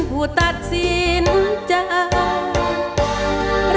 ผู้ตัดสินจักร